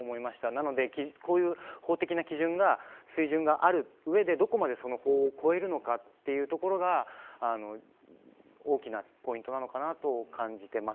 なので、こういう法的な基準が水準がある上でどこまで、その法を超えるのかというところが大きなポイントなのかなと感じています。